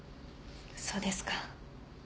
そうですか。